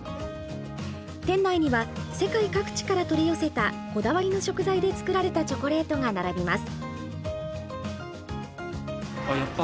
店内には世界各地から取り寄せたこだわりの食材で作られたチョコレートが並びます。